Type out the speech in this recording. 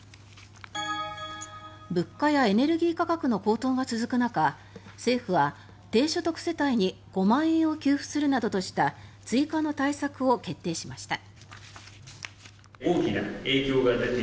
物価やエネルギー価格の高騰が続く中政府は低所得世帯に５万円を給付するなどとした追加の対策を決定しました。